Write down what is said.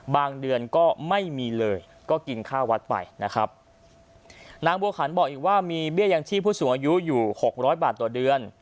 เดือนก็ไม่มีเลยก็กินข้าววัดไปนะครับนางบัวขันบอกอีกว่ามีเบี้ยยังชีพผู้สูงอายุอยู่หกร้อยบาทต่อเดือน